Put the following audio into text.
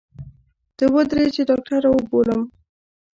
ته ودرې چې ډاکتر راوبولم.